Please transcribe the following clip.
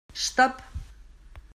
Stop.